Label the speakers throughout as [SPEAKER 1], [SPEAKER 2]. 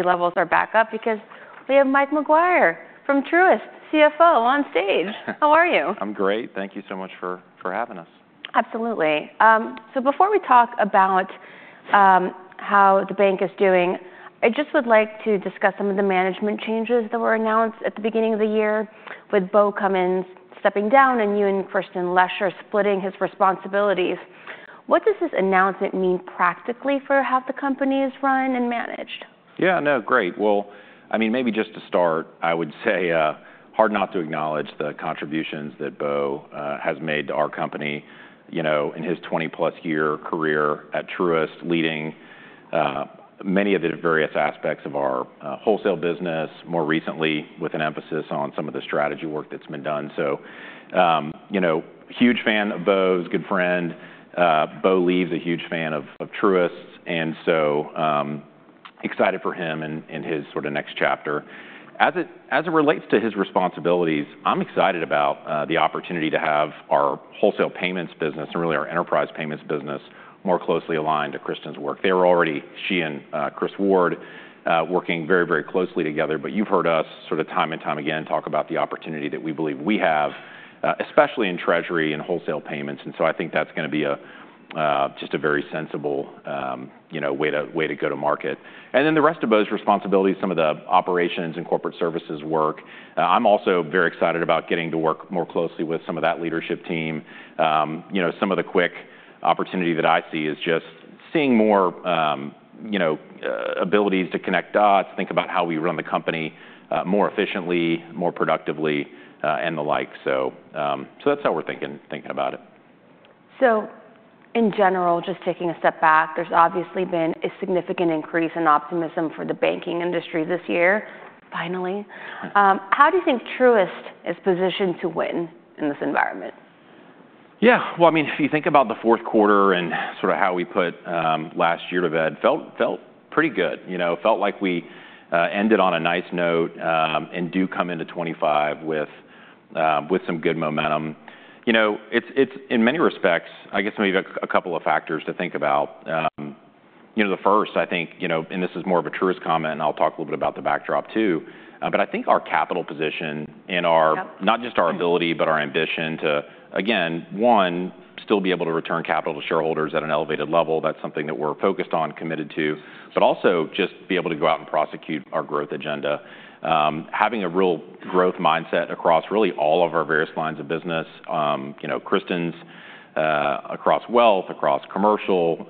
[SPEAKER 1] Levels are back up because we have Mike Maguire from Truist CFO on stage. How are you?
[SPEAKER 2] I'm great. Thank you so much for having us. Absolutely. So before we talk about how the bank is doing, I just would like to discuss some of the management changes that were announced at the beginning of the year with Beau Cummins stepping down and you and Kristin Lesher splitting his responsibilities. What does this announcement mean practically for how the company is run and managed? Yeah, no, great. Well, I mean, maybe just to start, I would say hard not to acknowledge the contributions that Beau has made to our company in his 20-plus year career at Truist, leading many of the various aspects of our wholesale business, more recently with an emphasis on some of the strategy work that's been done. So huge fan of Beau's, good friend. Beau leaves a huge fan of Truist. And so excited for him in his sort of next chapter. As it relates to his responsibilities, I'm excited about the opportunity to have our wholesale payments business and really our enterprise payments business more closely aligned to Kristin's work. They were already, she and Chris Ward, working very, very closely together. But you've heard us sort of time and time again talk about the opportunity that we believe we have, especially in treasury and wholesale payments. And so I think that's going to be just a very sensible way to go to market. And then the rest of Beau's responsibilities, some of the operations and corporate services work. I'm also very excited about getting to work more closely with some of that leadership team. Some of the quick opportunity that I see is just seeing more abilities to connect dots, think about how we run the company more efficiently, more productively, and the like. So that's how we're thinking about it. So in general, just taking a step back, there's obviously been a significant increase in optimism for the banking industry this year, finally. How do you think Truist is positioned to win in this environment? Yeah, well, I mean, if you think about the fourth quarter and sort of how we put last year to bed, felt pretty good. Felt like we ended on a nice note and do come into 2025 with some good momentum. In many respects, I guess maybe a couple of factors to think about. The first, I think, and this is more of a Truist comment, and I'll talk a little bit about the backdrop too. But I think our capital position and not just our ability, but our ambition to, again, one, still be able to return capital to shareholders at an elevated level. That's something that we're focused on, committed to. But also just be able to go out and prosecute our growth agenda. Having a real growth mindset across really all of our various lines of business. Kristin's across wealth, across commercial.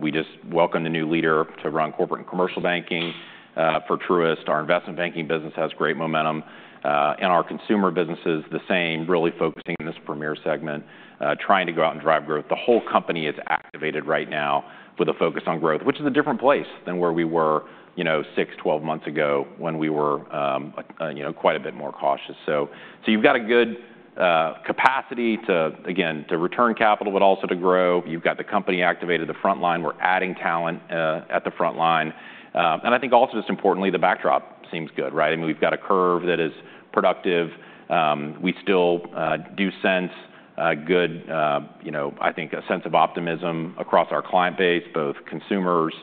[SPEAKER 2] We just welcomed a new leader to run corporate and commercial banking for Truist. Our investment banking business has great momentum and our consumer businesses the same, really focusing in this premier segment, trying to go out and drive growth. The whole company is activated right now with a focus on growth, which is a different place than where we were six, 12 months ago when we were quite a bit more cautious, so you've got a good capacity to, again, to return capital, but also to grow. You've got the company activated, the front line. We're adding talent at the front line and I think also just importantly, the backdrop seems good. I mean, we've got a curve that is productive. We still do sense good, I think, a sense of optimism across our client base, both consumers,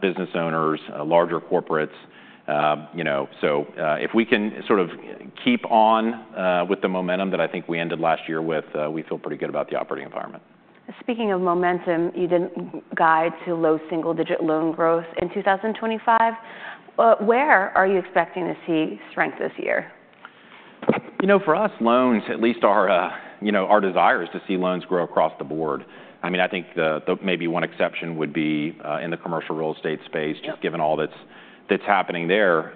[SPEAKER 2] business owners, larger corporates. If we can sort of keep on with the momentum that I think we ended last year with, we feel pretty good about the operating environment. Speaking of momentum, you didn't guide to low single-digit loan growth in 2025. Where are you expecting to see strength this year? You know, for us, loans, at least our desire is to see loans grow across the board. I mean, I think maybe one exception would be in the commercial real estate space, just given all that's happening there.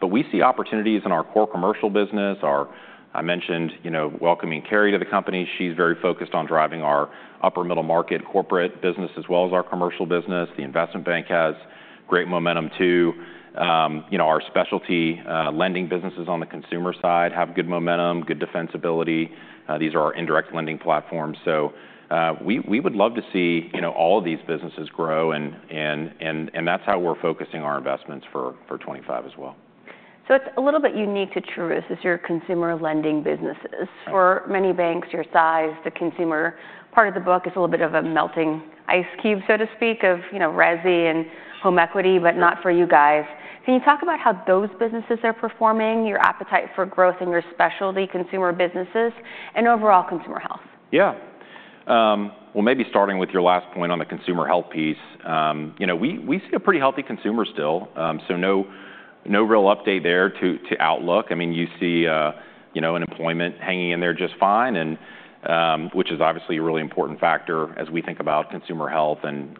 [SPEAKER 2] But we see opportunities in our core commercial business. I mentioned welcoming Kerry to the company. She's very focused on driving our upper middle market corporate business as well as our commercial business. The investment bank has great momentum too. Our specialty lending businesses on the consumer side have good momentum, good defensibility. These are our indirect lending platforms. So we would love to see all of these businesses grow. And that's how we're focusing our investments for 2025 as well. So, it's a little bit unique to Truist as your consumer lending businesses. For many banks your size, the consumer part of the book is a little bit of a melting ice cube, so to speak, of Resi and home equity, but not for you guys. Can you talk about how those businesses are performing, your appetite for growth in your specialty consumer businesses, and overall consumer health? Yeah. Well, maybe starting with your last point on the consumer health piece. We see a pretty healthy consumer still. So no real update there to outlook. I mean, you see an employment hanging in there just fine, which is obviously a really important factor as we think about consumer health and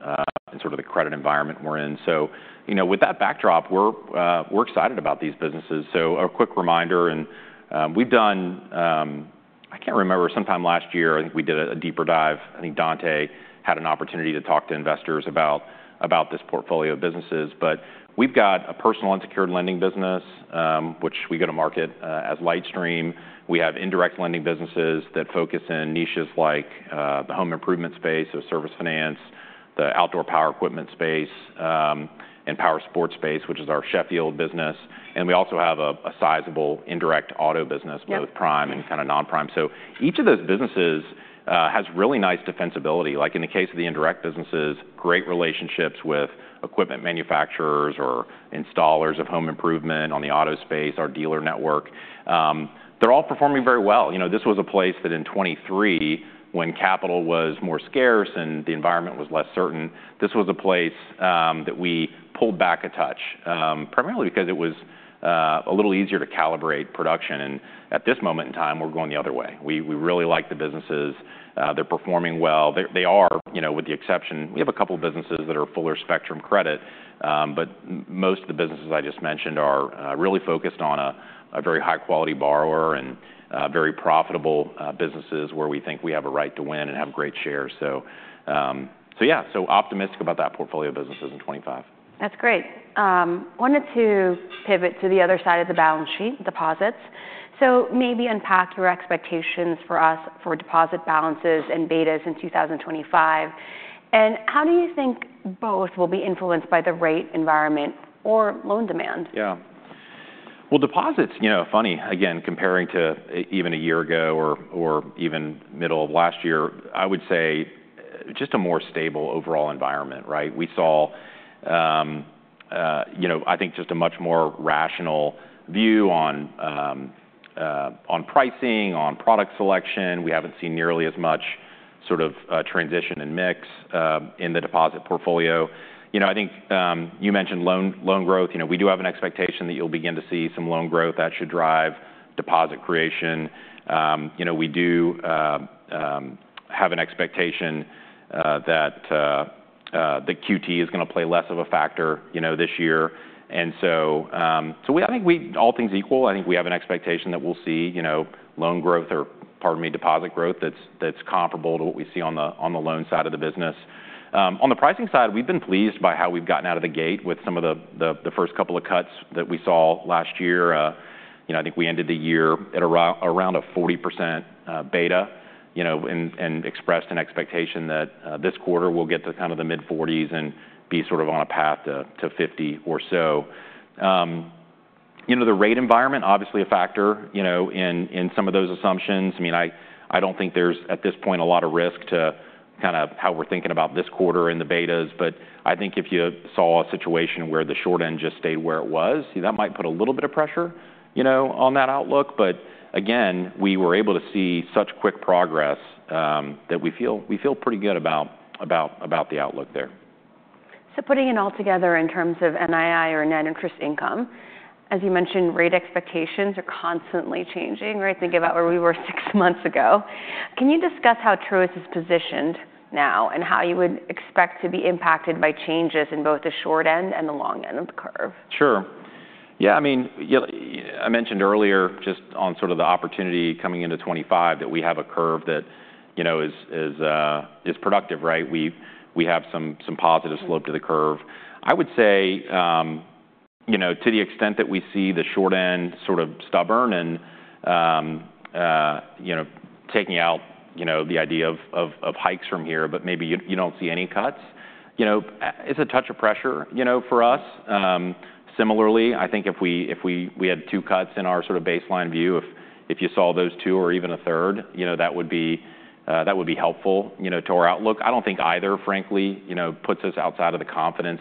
[SPEAKER 2] sort of the credit environment we're in. So with that backdrop, we're excited about these businesses. So a quick reminder, and we've done, I can't remember, sometime last year, I think we did a deeper dive. I think Dante had an opportunity to talk to investors about this portfolio of businesses. But we've got a personal unsecured lending business, which we go to market as LightStream. We have indirect lending businesses that focus in niches like the home improvement space, so Service Finance, the outdoor power equipment space, and power sports space, which is our Sheffield business. And we also have a sizable indirect auto business, both prime and kind of non-prime. So each of those businesses has really nice defensibility. Like in the case of the indirect businesses, great relationships with equipment manufacturers or installers of home improvement on the auto space, our dealer network. They're all performing very well. This was a place that in 2023, when capital was more scarce and the environment was less certain, this was a place that we pulled back a touch, primarily because it was a little easier to calibrate production. And at this moment in time, we're going the other way. We really like the businesses. They're performing well. They are, with the exception, we have a couple of businesses that are fuller spectrum credit. But most of the businesses I just mentioned are really focused on a very high-quality borrower and very profitable businesses where we think we have a right to win and have great shares. So yeah, so optimistic about that portfolio of businesses in 2025. That's great. I wanted to pivot to the other side of the balance sheet, deposits, so maybe unpack your expectations for us for deposit balances and betas in 2025, and how do you think both will be influenced by the rate environment or loan demand? Yeah. Well, deposits, funny, again, comparing to even a year ago or even middle of last year, I would say just a more stable overall environment. We saw, I think, just a much more rational view on pricing, on product selection. We haven't seen nearly as much sort of transition and mix in the deposit portfolio. I think you mentioned loan growth. We do have an expectation that you'll begin to see some loan growth that should drive deposit creation. We do have an expectation that the QT is going to play less of a factor this year. And so I think all things equal, I think we have an expectation that we'll see loan growth or, pardon me, deposit growth that's comparable to what we see on the loan side of the business. On the pricing side, we've been pleased by how we've gotten out of the gate with some of the first couple of cuts that we saw last year. I think we ended the year at around a 40% beta and expressed an expectation that this quarter we'll get to kind of the mid-40s and be sort of on a path to 50 or so. The rate environment, obviously a factor in some of those assumptions. I mean, I don't think there's at this point a lot of risk to kind of how we're thinking about this quarter and the betas. But I think if you saw a situation where the short end just stayed where it was, that might put a little bit of pressure on that outlook. But again, we were able to see such quick progress that we feel pretty good about the outlook there. So putting it all together in terms of NII or net interest income, as you mentioned, rate expectations are constantly changing. Think about where we were six months ago. Can you discuss how Truist is positioned now and how you would expect to be impacted by changes in both the short end and the long end of the curve? Sure. Yeah, I mean, I mentioned earlier just on sort of the opportunity coming into 2025 that we have a curve that is productive. We have some positive slope to the curve. I would say to the extent that we see the short end sort of stubborn and taking out the idea of hikes from here, but maybe you don't see any cuts, it's a touch of pressure for us. Similarly, I think if we had two cuts in our sort of baseline view, if you saw those two or even a third, that would be helpful to our outlook. I don't think either, frankly, puts us outside of the confidence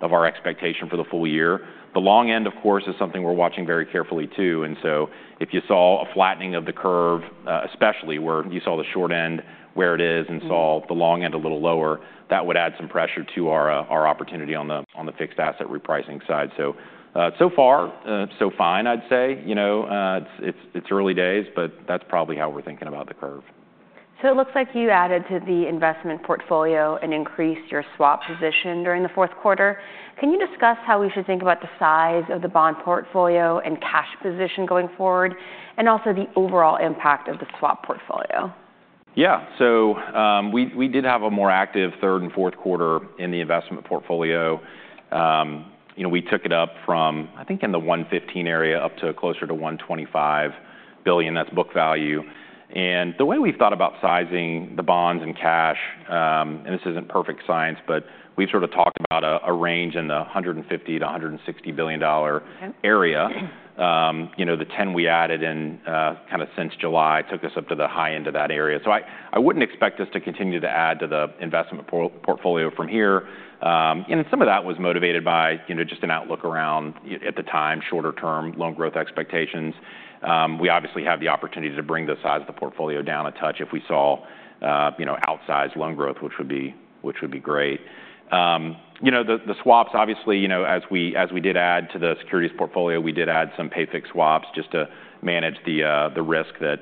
[SPEAKER 2] of our expectation for the full year. The long end, of course, is something we're watching very carefully too. And so if you saw a flattening of the curve, especially where you saw the short end where it is and saw the long end a little lower, that would add some pressure to our opportunity on the fixed asset repricing side. So far, so fine, I'd say. It's early days, but that's probably how we're thinking about the curve. So it looks like you added to the investment portfolio and increased your swap position during the fourth quarter. Can you discuss how we should think about the size of the bond portfolio and cash position going forward and also the overall impact of the swap portfolio? Yeah. So we did have a more active third and fourth quarter in the investment portfolio. We took it up from, I think, in the $115 billion area up to closer to $125 billion. That's book value. And the way we've thought about sizing the bonds and cash, and this isn't perfect science, but we've sort of talked about a range in the $150-$160 billion area. The $10 billion we added in kind of since July took us up to the high end of that area. So I wouldn't expect us to continue to add to the investment portfolio from here. And some of that was motivated by just an outlook around, at the time, shorter-term loan growth expectations. We obviously have the opportunity to bring the size of the portfolio down a touch if we saw outsized loan growth, which would be great. The swaps, obviously, as we did add to the securities portfolio, we did add some pay fixed swaps just to manage the risk that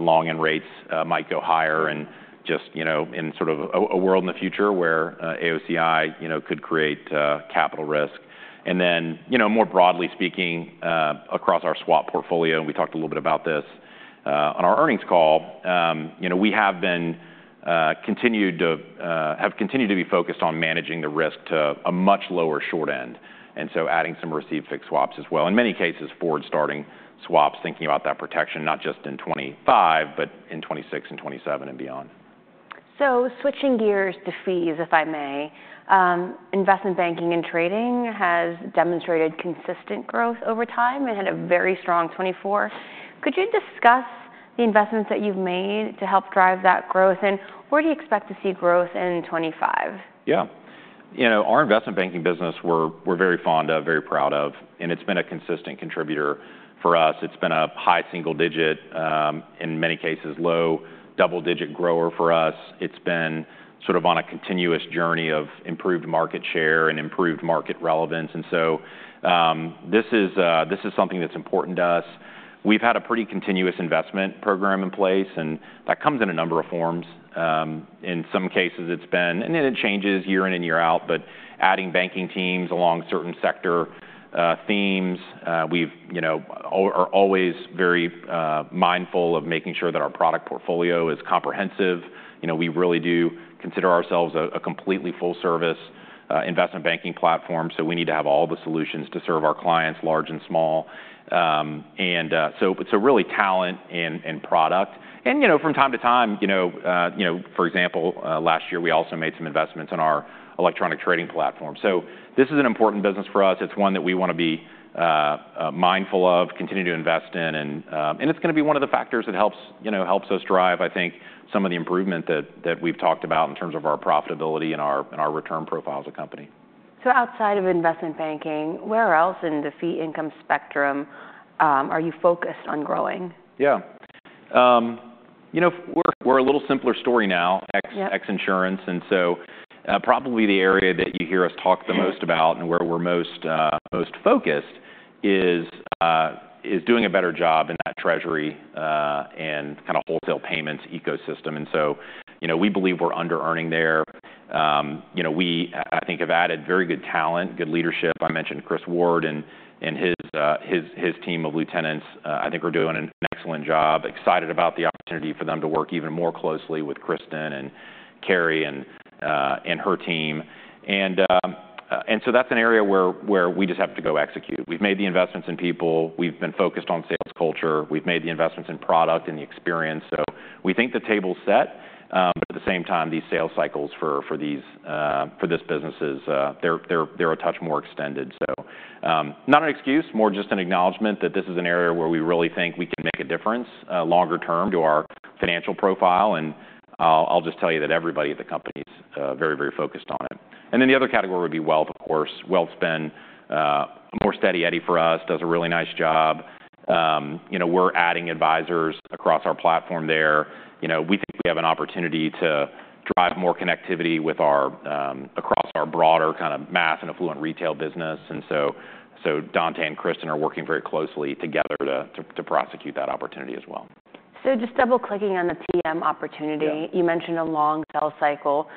[SPEAKER 2] long end rates might go higher and just in sort of a world in the future where AOCI could create capital risk. And then more broadly speaking, across our swap portfolio, and we talked a little bit about this on our earnings call, we have continued to be focused on managing the risk to a much lower short end. And so adding some received fixed swaps as well. In many cases, forward starting swaps, thinking about that protection, not just in 2025, but in 2026 and 2027 and beyond. So switching gears to fees, if I may, investment banking and trading has demonstrated consistent growth over time and had a very strong 2024. Could you discuss the investments that you've made to help drive that growth and where do you expect to see growth in 2025? Yeah. Our investment banking business we're very fond of, very proud of, and it's been a consistent contributor for us. It's been a high single-digit, in many cases, low double-digit grower for us. It's been sort of on a continuous journey of improved market share and improved market relevance. And so this is something that's important to us. We've had a pretty continuous investment program in place, and that comes in a number of forms. In some cases, it's been, and then it changes year in and year out, but adding banking teams along certain sector themes. We are always very mindful of making sure that our product portfolio is comprehensive. We really do consider ourselves a completely full-service investment banking platform. So we need to have all the solutions to serve our clients, large and small. And so really talent and product. From time to time, for example, last year, we also made some investments in our electronic trading platform. So this is an important business for us. It's one that we want to be mindful of, continue to invest in. And it's going to be one of the factors that helps us drive, I think, some of the improvement that we've talked about in terms of our profitability and our return profile as a company. So outside of investment banking, where else in the fee income spectrum are you focused on growing? Yeah. We're a little simpler story now, ex-insurance. And so probably the area that you hear us talk the most about and where we're most focused is doing a better job in that treasury and kind of wholesale payments ecosystem. And so we believe we're under-earning there. We, I think, have added very good talent, good leadership. I mentioned Chris Ward and his team of lieutenants. I think we're doing an excellent job. Excited about the opportunity for them to work even more closely with Kristin and Kerry and her team. And so that's an area where we just have to go execute. We've made the investments in people. We've been focused on sales culture. We've made the investments in product and the experience. So we think the table's set. But at the same time, these sales cycles for this business, they're a touch more extended. So not an excuse, more just an acknowledgement that this is an area where we really think we can make a difference longer term to our financial profile. And I'll just tell you that everybody at the company is very, very focused on it. And then the other category would be wealth, of course. Wealth's been a more steady Eddie for us, does a really nice job. We're adding advisors across our platform there. We think we have an opportunity to drive more connectivity across our broader kind of mass and affluent retail business. And so Dante and Kristin are working very closely together to prosecute that opportunity as well. So just double-clicking on the PM opportunity, you mentioned a long sell cycle.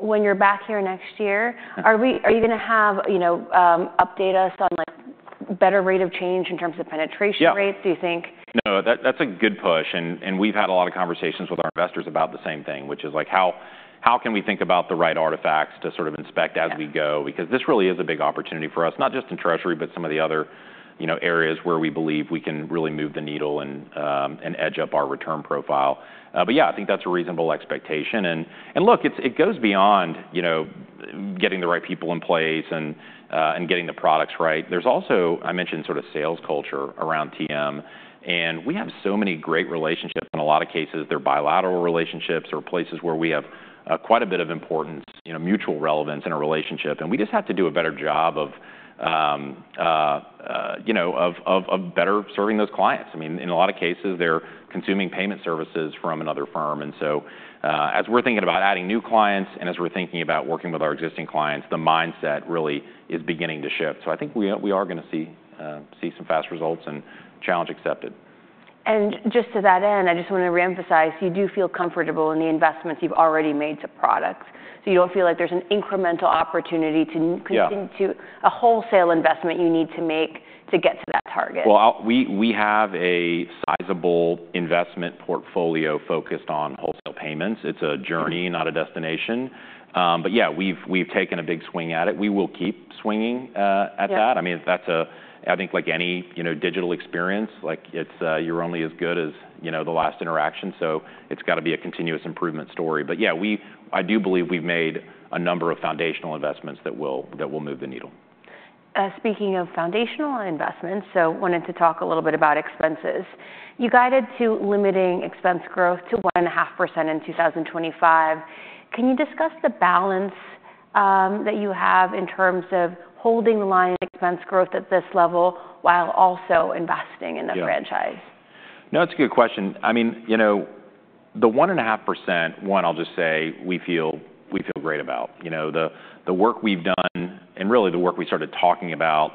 [SPEAKER 2] When you're back here next year, are you going to update us on better rate of change in terms of penetration rates, do you think? No, that's a good push. And we've had a lot of conversations with our investors about the same thing, which is how can we think about the right artifacts to sort of inspect as we go? Because this really is a big opportunity for us, not just in treasury, but some of the other areas where we believe we can really move the needle and edge up our return profile. But yeah, I think that's a reasonable expectation. And look, it goes beyond getting the right people in place and getting the products right. There's also, I mentioned sort of sales culture around TM. And we have so many great relationships in a lot of cases. They're bilateral relationships. There are places where we have quite a bit of importance, mutual relevance in a relationship. And we just have to do a better job of better serving those clients. I mean, in a lot of cases, they're consuming payment services from another firm. And so as we're thinking about adding new clients and as we're thinking about working with our existing clients, the mindset really is beginning to shift. So I think we are going to see some fast results and challenge accepted. And just to that end, I just want to reemphasize, you do feel comfortable in the investments you've already made to products. So you don't feel like there's an incremental opportunity to a wholesale investment you need to make to get to that target. We have a sizable investment portfolio focused on wholesale payments. It's a journey, not a destination. Yeah, we've taken a big swing at it. We will keep swinging at that. I mean, I think like any digital experience, you're only as good as the last interaction. So it's got to be a continuous improvement story. Yeah, I do believe we've made a number of foundational investments that will move the needle. Speaking of foundational investments, so I wanted to talk a little bit about expenses. You guided to limiting expense growth to 1.5% in 2025. Can you discuss the balance that you have in terms of holding the line of expense growth at this level while also investing in the franchise? No, that's a good question. I mean, the 1.5% one, I'll just say we feel great about. The work we've done and really the work we started talking about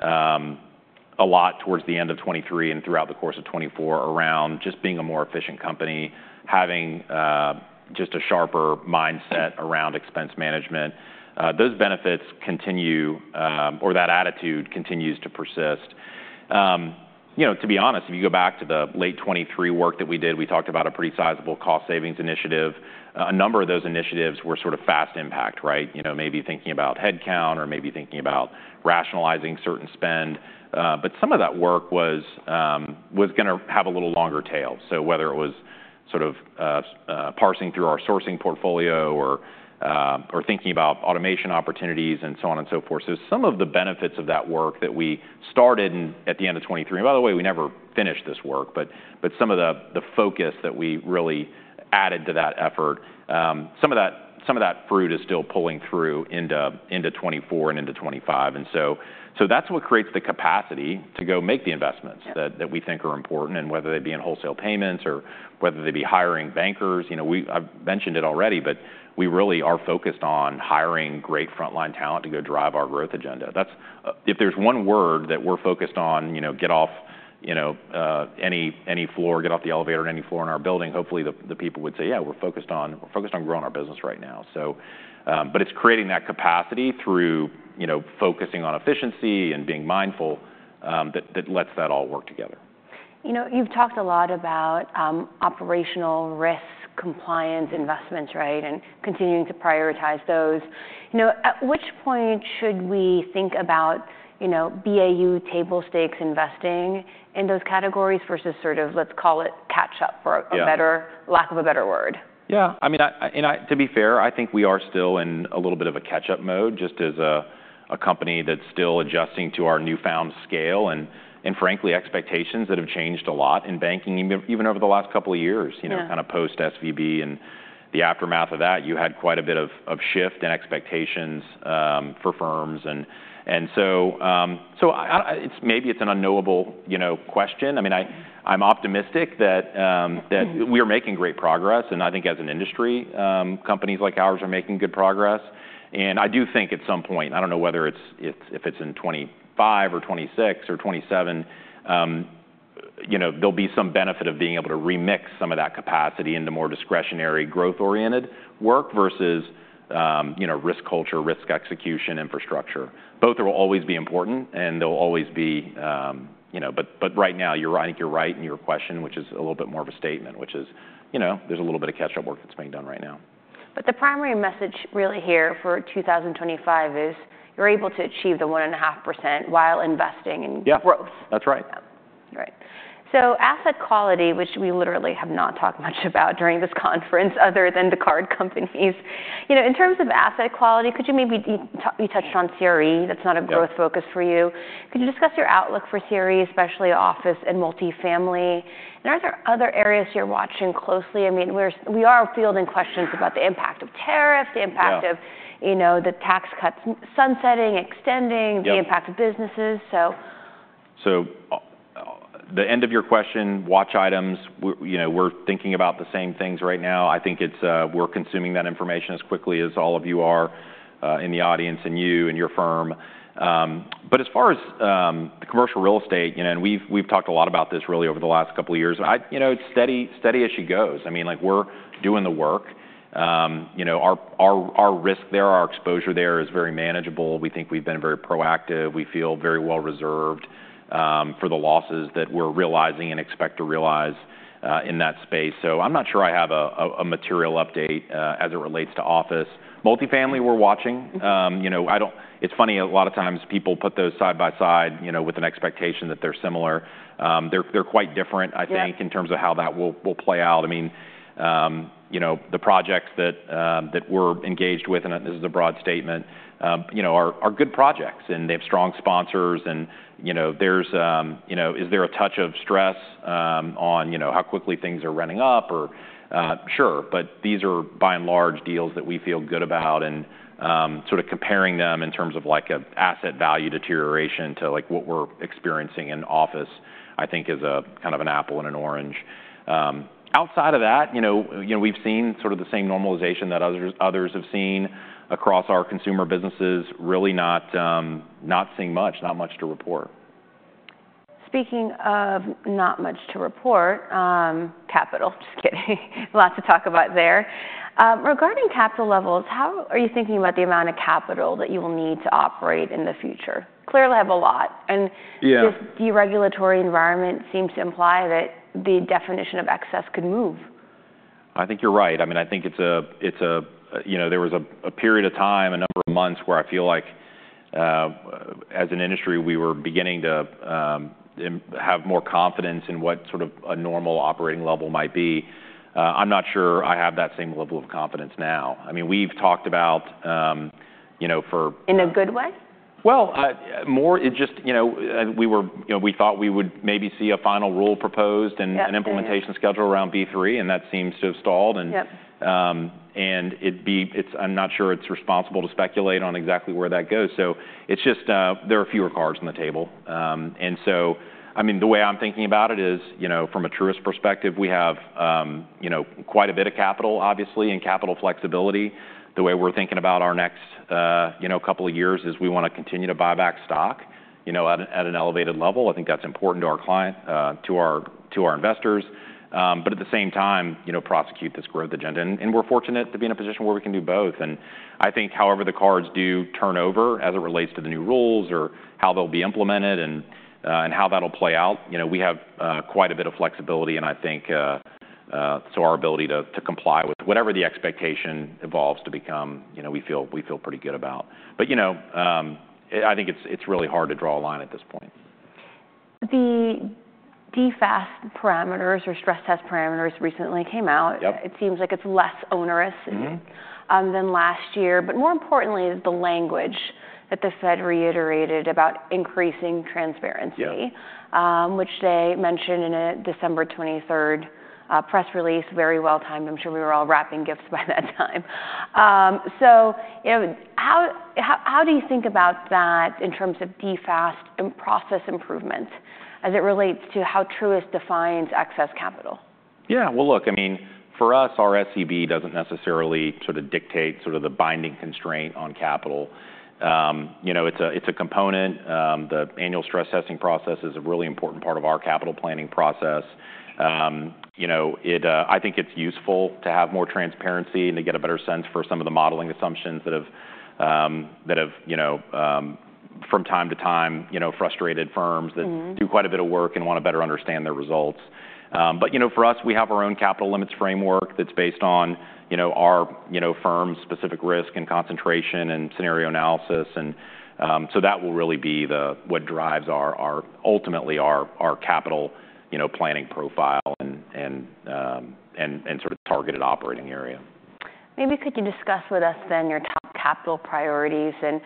[SPEAKER 2] a lot towards the end of 2023 and throughout the course of 2024 around just being a more efficient company, having just a sharper mindset around expense management, those benefits continue or that attitude continues to persist. To be honest, if you go back to the late 2023 work that we did, we talked about a pretty sizable cost savings initiative. A number of those initiatives were sort of fast impact, right? Maybe thinking about headcount or maybe thinking about rationalizing certain spend. But some of that work was going to have a little longer tail. So whether it was sort of parsing through our sourcing portfolio or thinking about automation opportunities and so on and so forth. So some of the benefits of that work that we started at the end of 2023, and by the way, we never finished this work, but some of the focus that we really added to that effort, some of that fruit is still pulling through into 2024 and into 2025. And so that's what creates the capacity to go make the investments that we think are important. And whether they be in wholesale payments or whether they be hiring bankers, I've mentioned it already, but we really are focused on hiring great frontline talent to go drive our growth agenda. If there's one word that we're focused on, it's growth. Go to any floor, get off the elevator at any floor in our building. Hopefully the people would say, "Yeah, we're focused on growing our business right now," but it's creating that capacity through focusing on efficiency and being mindful, that lets that all work together. You've talked a lot about operational risk, compliance, investments, right, and continuing to prioritize those. At which point should we think about BAU, table stakes, investing in those categories versus sort of let's call it catch-up for lack of a better word? Yeah. I mean, to be fair, I think we are still in a little bit of a catch-up mode just as a company that's still adjusting to our newfound scale and, frankly, expectations that have changed a lot in banking even over the last couple of years, kind of post-SVB and the aftermath of that. You had quite a bit of shift in expectations for firms. And so maybe it's an unknowable question. I mean, I'm optimistic that we are making great progress. And I think as an industry, companies like ours are making good progress. And I do think at some point, I don't know whether it's in 2025 or 2026 or 2027, there'll be some benefit of being able to remix some of that capacity into more discretionary growth-oriented work versus risk culture, risk execution, infrastructure. Both will always be important and they'll always be. But right now, you're right in your question, which is a little bit more of a statement, which is there's a little bit of catch-up work that's being done right now. But the primary message really here for 2025 is you're able to achieve the 1.5% while investing in growth. Yeah, that's right. Right. So asset quality, which we literally have not talked much about during this conference other than the card companies. In terms of asset quality, could you maybe, you touched on CRE. That's not a growth focus for you. Could you discuss your outlook for CRE, especially office and multifamily? And are there other areas you're watching closely? I mean, we are fielding questions about the impact of tariffs, the impact of the tax cuts sunsetting, extending, the impact of businesses? So, the end of your question, watch items. We're thinking about the same things right now. I think we're consuming that information as quickly as all of you are in the audience and you and your firm. But as far as the commercial real estate, and we've talked a lot about this really over the last couple of years, it's steady as she goes. I mean, we're doing the work. Our risk there, our exposure there is very manageable. We think we've been very proactive. We feel very well reserved for the losses that we're realizing and expect to realize in that space. So, I'm not sure I have a material update as it relates to office. Multifamily, we're watching. It's funny, a lot of times people put those side by side with an expectation that they're similar. They're quite different, I think, in terms of how that will play out. I mean, the projects that we're engaged with, and this is a broad statement, are good projects and they have strong sponsors, and is there a touch of stress on how quickly things are running up? Sure, but these are by and large deals that we feel good about, and sort of comparing them in terms of asset value deterioration to what we're experiencing in office, I think is kind of an apple and an orange. Outside of that, we've seen sort of the same normalization that others have seen across our consumer businesses, really not seeing much, not much to report. Speaking of not much to report, capital, just kidding. A lot to talk about there. Regarding capital levels, how are you thinking about the amount of capital that you will need to operate in the future? Clearly have a lot. And this deregulatory environment seems to imply that the definition of excess could move. I think you're right. I mean, I think there was a period of time, a number of months where I feel like as an industry, we were beginning to have more confidence in what sort of a normal operating level might be. I'm not sure I have that same level of confidence now. I mean, we've talked about for. In a good way? Well, more just we thought we would maybe see a final rule proposed and an implementation schedule around B3, and that seems to have stalled. And I'm not sure it's responsible to speculate on exactly where that goes. So it's just there are fewer cards on the table. And so, I mean, the way I'm thinking about it is from a Truist perspective, we have quite a bit of capital, obviously, and capital flexibility. The way we're thinking about our next couple of years is we want to continue to buy back stock at an elevated level. I think that's important to our client, to our investors. But at the same time, prosecute this growth agenda. And we're fortunate to be in a position where we can do both. And I think however the cards do turn over as it relates to the new rules or how they'll be implemented and how that'll play out, we have quite a bit of flexibility. And I think so our ability to comply with whatever the expectation evolves to become, we feel pretty good about. But I think it's really hard to draw a line at this point. The DFAST parameters or stress test parameters recently came out. It seems like it's less onerous than last year. But more importantly is the language that the Fed reiterated about increasing transparency, which they mentioned in a December 23rd press release, very well timed. I'm sure we were all wrapping gifts by that time. So how do you think about that in terms of DFAST and process improvement as it relates to how Truist defines excess capital? Yeah. Well, look, I mean, for us, our SCB doesn't necessarily sort of dictate sort of the binding constraint on capital. It's a component. The annual stress testing process is a really important part of our capital planning process. I think it's useful to have more transparency and to get a better sense for some of the modeling assumptions that have from time to time frustrated firms that do quite a bit of work and want to better understand their results. But for us, we have our own capital limits framework that's based on our firm's specific risk and concentration and scenario analysis. And so that will really be what drives ultimately our capital planning profile and sort of targeted operating area. Maybe could you discuss with us then your top capital priorities and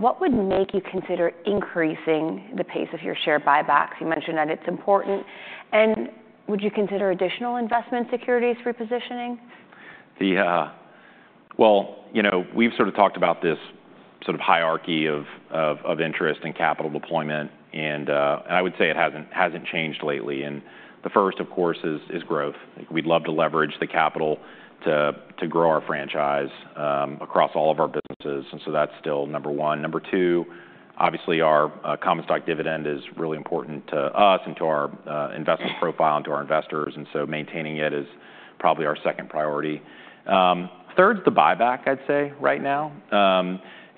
[SPEAKER 2] what would make you consider increasing the pace of your share buybacks? You mentioned that it's important. And would you consider additional investment securities repositioning? Well, we've sort of talked about this sort of hierarchy of interest and capital deployment, and I would say it hasn't changed lately, and the first, of course, is growth. We'd love to leverage the capital to grow our franchise across all of our businesses, and so that's still number one. Number two, obviously, our common stock dividend is really important to us and to our investment profile and to our investors, and so maintaining it is probably our second priority. Third is the buyback, I'd say, right now,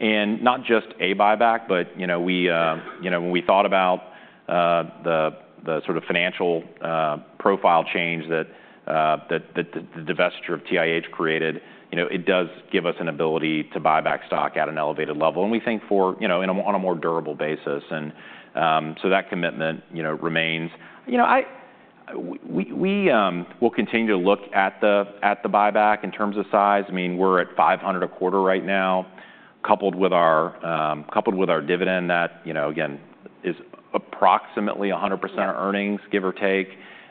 [SPEAKER 2] and not just a buyback, but when we thought about the sort of financial profile change that the divestiture of TIH created, it does give us an ability to buy back stock at an elevated level, and we think on a more durable basis, and so that commitment remains. We will continue to look at the buyback in terms of size. I mean, we're at $500 million a quarter right now, coupled with our dividend that, again, is approximately 100% of earnings, give or take.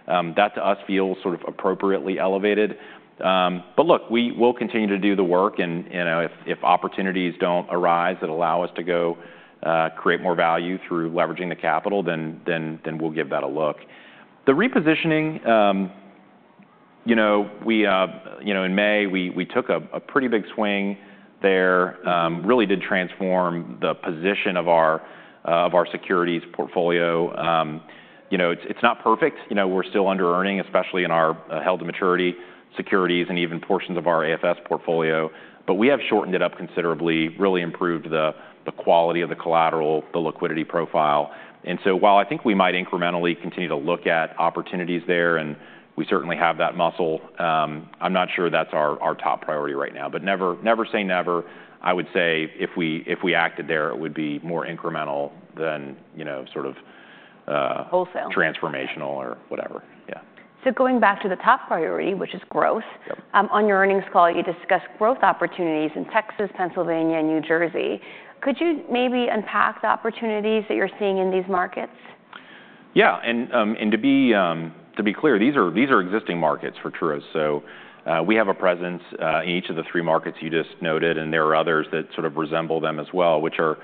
[SPEAKER 2] That to us feels sort of appropriately elevated. But look, we will continue to do the work. And if opportunities don't arise that allow us to go create more value through leveraging the capital, then we'll give that a look. The repositioning, in May, we took a pretty big swing there, really did transform the position of our securities portfolio. It's not perfect. We're still under earning, especially in our held-to-maturity securities and even portions of our AFS portfolio. But we have shortened it up considerably, really improved the quality of the collateral, the liquidity profile. And so while I think we might incrementally continue to look at opportunities there and we certainly have that muscle, I'm not sure that's our top priority right now. But never say never. I would say if we acted there, it would be more incremental than sort of. Wholesale. Transformational or whatever. Yeah. So going back to the top priority, which is growth, on your earnings call, you discussed growth opportunities in Texas, Pennsylvania, and New Jersey. Could you maybe unpack the opportunities that you're seeing in these markets? Yeah. And to be clear, these are existing markets for Truist. So we have a presence in each of the three markets you just noted. And there are others that sort of resemble them as well, which are,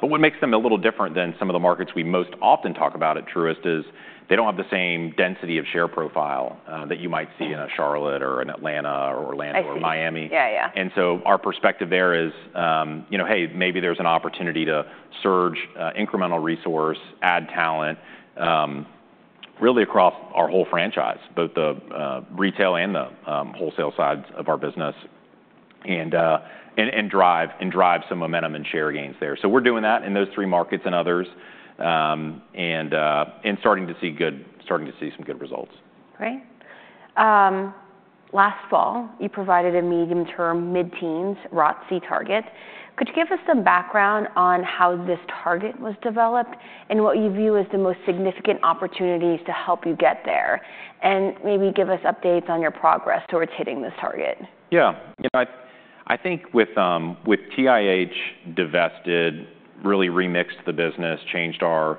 [SPEAKER 2] but what makes them a little different than some of the markets we most often talk about at Truist is they don't have the same density of share profile that you might see in a Charlotte or an Atlanta or a Fort Lauderdale or Miami. And so our perspective there is, hey, maybe there's an opportunity to surge incremental resource, add talent really across our whole franchise, both the retail and the wholesale side of our business and drive some momentum and share gains there. So we're doing that in those three markets and others and starting to see some good results. Great. Last fall, you provided a medium-term, mid-teens ROTCE target. Could you give us some background on how this target was developed and what you view as the most significant opportunities to help you get there and maybe give us updates on your progress towards hitting this target? Yeah. I think with TIH divested, really remixed the business, changed our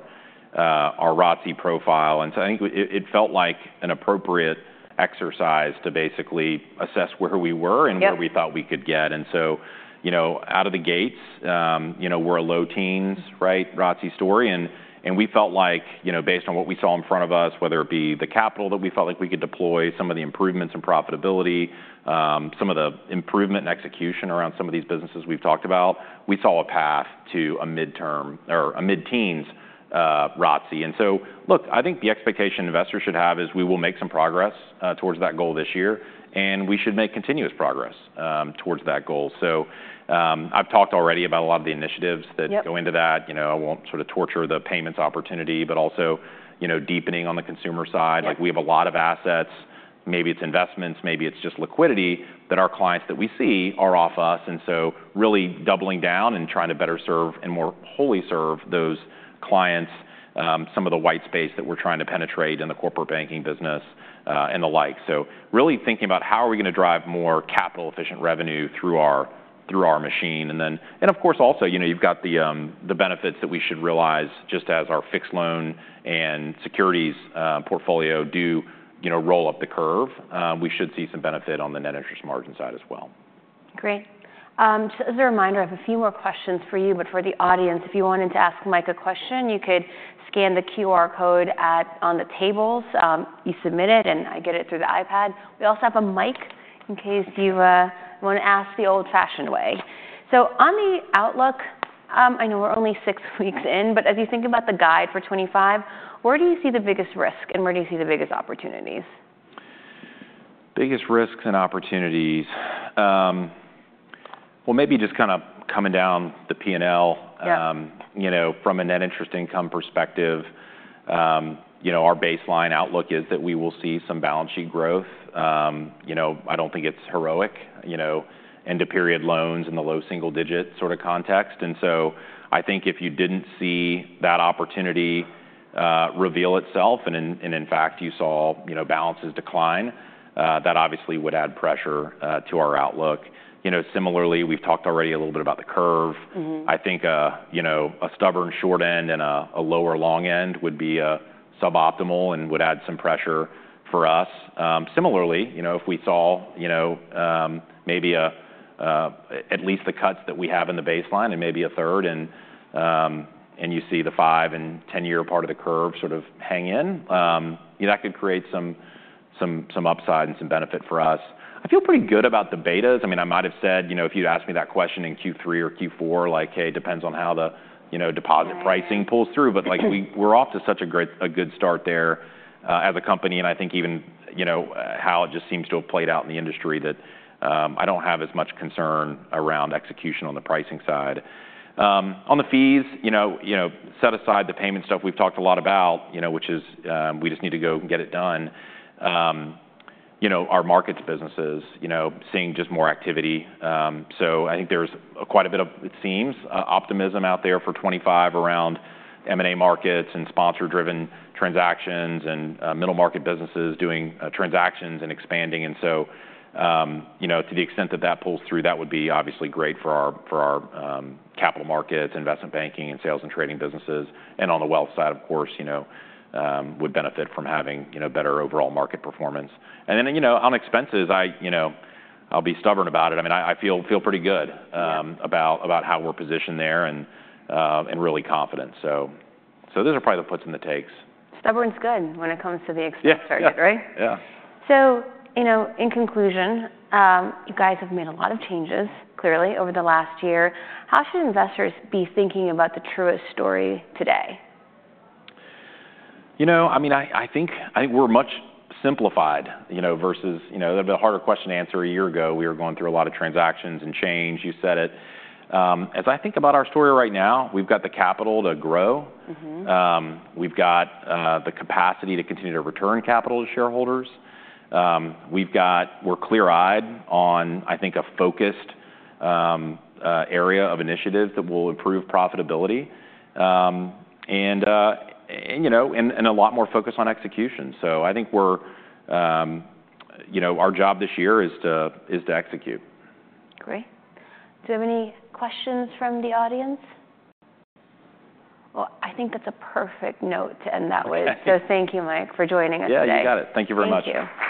[SPEAKER 2] ROTCE profile, and so I think it felt like an appropriate exercise to basically assess where we were and where we thought we could get, and so out of the gates, we're a low teens, right? ROTCE story, and we felt like based on what we saw in front of us, whether it be the capital that we felt like we could deploy, some of the improvements in profitability, some of the improvement and execution around some of these businesses we've talked about, we saw a path to a mid-term or a mid-teens ROTCE, and so look, I think the expectation investors should have is we will make some progress towards that goal this year, and we should make continuous progress towards that goal. So I've talked already about a lot of the initiatives that go into that. I won't sort of torture the payments opportunity, but also deepening on the consumer side. We have a lot of assets. Maybe it's investments, maybe it's just liquidity that our clients that we see are off us. And so really doubling down and trying to better serve and more wholly serve those clients, some of the white space that we're trying to penetrate in the corporate banking business and the like. So really thinking about how are we going to drive more capital-efficient revenue through our machine. And then, of course, also you've got the benefits that we should realize just as our fixed loan and securities portfolio do roll up the curve. We should see some benefit on the net interest margin side as well. Great. Just as a reminder, I have a few more questions for you. But for the audience, if you wanted to ask Mike a question, you could scan the QR code on the tables. You submit it and I get it through the iPad. We also have a mic in case you want to ask the old-fashioned way. So on the outlook, I know we're only six weeks in, but as you think about the guide for 2025, where do you see the biggest risk and where do you see the biggest opportunities? Biggest risks and opportunities. Well, maybe just kind of coming down the P&L from a net interest income perspective, our baseline outlook is that we will see some balance sheet growth. I don't think it's heroic end-of-period loans in the low single-digit sort of context. And so I think if you didn't see that opportunity reveal itself and in fact, you saw balances decline, that obviously would add pressure to our outlook. Similarly, we've talked already a little bit about the curve. I think a stubborn short end and a lower long end would be suboptimal and would add some pressure for us. Similarly, if we saw maybe at least the cuts that we have in the baseline and maybe a third and you see the five and 10-year part of the curve sort of hang in, that could create some upside and some benefit for us. I feel pretty good about the betas. I mean, I might have said if you'd asked me that question in Q3 or Q4, like, hey, it depends on how the deposit pricing pulls through, but we're off to such a good start there as a company, and I think even how it just seems to have played out in the industry that I don't have as much concern around execution on the pricing side. On the fees, set aside the payment stuff we've talked a lot about, which is we just need to go and get it done. Our markets businesses seeing just more activity, so I think there's quite a bit of, it seems, optimism out there for 2025 around M&A markets and sponsor-driven transactions and middle market businesses doing transactions and expanding. And so to the extent that that pulls through, that would be obviously great for our capital markets, investment banking, and sales and trading businesses. And on the wealth side, of course, would benefit from having better overall market performance. And then on expenses, I'll be stubborn about it. I mean, I feel pretty good about how we're positioned there and really confident. So those are probably the puts and the takes. Stubborn's good when it comes to the expense target, right? Yeah. So in conclusion, you guys have made a lot of changes clearly over the last year. How should investors be thinking about the Truist story today? You know, I mean, I think we're much simplified versus a harder question to answer. A year ago, we were going through a lot of transactions and change. You said it. As I think about our story right now, we've got the capital to grow. We've got the capacity to continue to return capital to shareholders. We're clear-eyed on, I think, a focused area of initiative that will improve profitability and a lot more focus on execution. So I think our job this year is to execute. Great. Do you have any questions from the audience? Well, I think that's a perfect note to end that with. So thank you, Mike, for joining us today. Yeah, you got it. Thank you very much. Thank you.